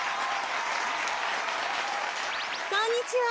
こんにちは。